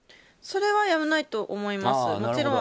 それはやむないと思います。